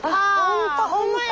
ほんまや。